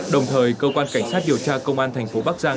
đồng thời cơ quan cảnh sát điều tra công an tp bắc giang